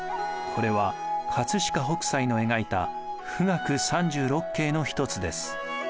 これは飾北斎の描いた「富嶽三十六景」の一つです。